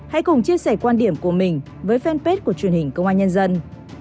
hãy cùng chia sẻ quan điểm của mình với fanpage của truyền hình công an nhân dân